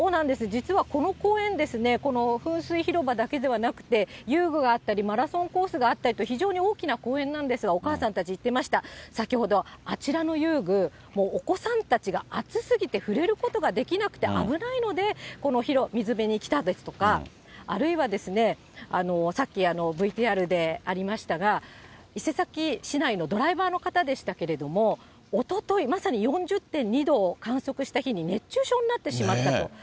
実はこの公園ですね、噴水広場だけでなくて、遊具があったり、マラソンコースがあったりと、非常に大きな公園なんですが、お母さんたち言ってました、先ほど、あちらの遊具、お子さんたちが熱すぎて触れることができなくて危ないので、この水辺に来たんですとか、あるいはさっき、ＶＴＲでありましたが、伊勢崎市内のドライバーの方でしたけれども、おととい、まさに４０．２度を観測した日に熱中症になってしまったと。